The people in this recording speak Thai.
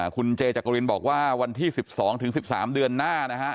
คุณเจจักรินบอกว่าวันที่๑๒๑๓เดือนหน้านะฮะ